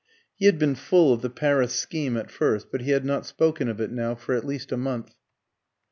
He had been full of the Paris scheme at first, but he had not spoken of it now for at least a month.